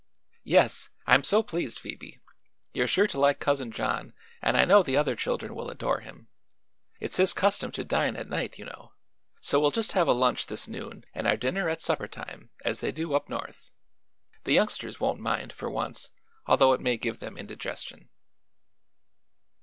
"Yes; I'm so pleased, Phoebe. You're sure to like Cousin John and I know the other children will adore him. It's his custom to dine at night, you know; so we'll just have a lunch this noon and our dinner at suppertime, as they do up North. The youngsters won't mind, for once, although it may give them indigestion."